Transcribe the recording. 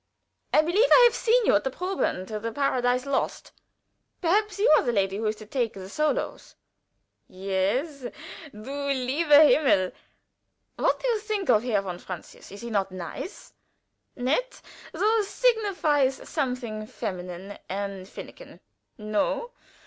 "I believe I have seen you at the proben to the 'Paradise Lost.' Perhaps you are the lady who is to take the solos? Yes! Du lieber Himmel! What do you think of Herr von Francius? Is he not nice?" (Nett, though, signifies something feminine and finikin.) "No?